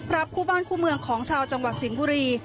คู่บ้านคู่เมืองของชาวจังหวัดสิงห์บุรี